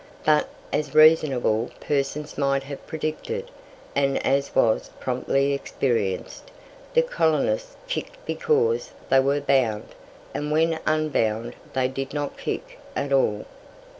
But, as reasonable persons might have predicted, and as was promptly experienced, the colonists kicked because they were bound, and when unbound they did not kick at all.